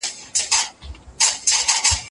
که پارچه وي نو نمره نه ورکیږي.